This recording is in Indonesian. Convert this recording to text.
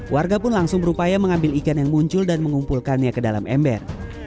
warga pun langsung berupaya mengambil ikan yang muncul dan mengumpulkannya ke dalam ember